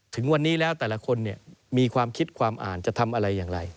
ถึงวันนี้แล้วแต่ละคนมีความคิดความอ่านจะทำอะไรอย่างไร